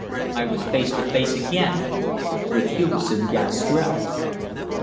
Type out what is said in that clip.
I was face to face again with Hugesson Gastrell!